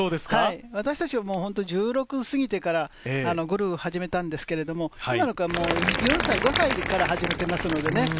私たちは１６過ぎてからゴルフを始めたんですけれど、今の子は４５歳から始めてますのでね。